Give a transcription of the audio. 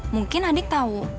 mungkin adik tahu